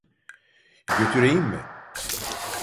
Götüreyim mi?